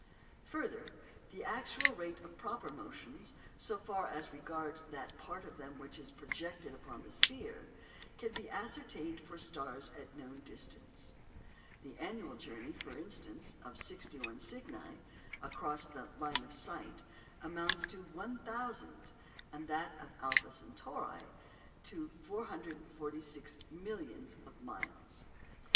Further, the actual rate of proper motions, so far as regards that part of them which is projected upon the sphere, can be ascertained for stars at known distance. The annual journey, for instance, of 61 Cygni across the line of sight amounts to 1,000, and that of Alpha Centauri to 446 millions of miles.